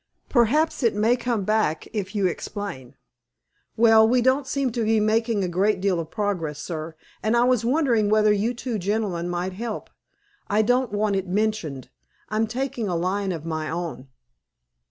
Perhaps it may come back if you explain." "Well, we don't seem to be making a great deal of progress, sir, and I was wondering whether you two gentlemen might help. I don't want it mentioned. I'm taking a line of me own."